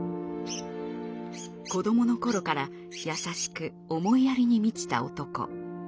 子どもの頃から優しく思いやりに満ちた男。